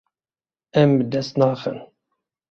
Em bi dest naxin.